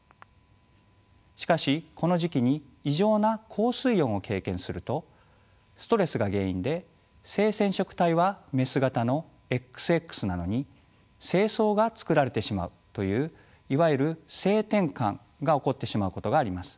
しかしこの時期に異常な高水温を経験するとストレスが原因で性染色体はメス型のＸＸなのに精巣が作られてしまうといういわゆる性転換が起こってしまうことがあります。